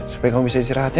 supaya kamu bisa istirahat ya